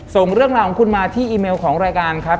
ส่งเรื่องราวของคุณมาที่อีเมลของรายการครับ